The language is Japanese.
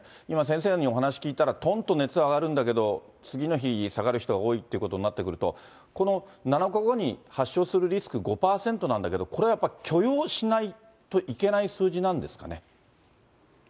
今、先生にお話聞いたら、とんと熱は上がるんだけど、次の日下がる人が多いということになってくると、この７日後に発症するリスク５％なんだけど、これはやっぱり許容しないといけない数字なんですかね。